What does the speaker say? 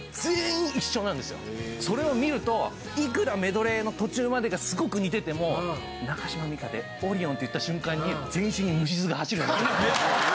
それを見るといくらメドレーの途中までがすごく似てても中島美嘉で『ＯＲＩＯＮ』って言った瞬間に全身に虫唾が走るように。